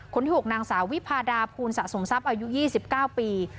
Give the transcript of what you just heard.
คนที่๖นางสาววิพาดาภูลสะสมทรัพย์อายุ๒๙ปี